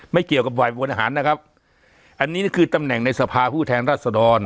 ไม่เกี่ยวกับบริหารนะครับอันนี้นี่คือในภาคผู้แทนรัฐสดร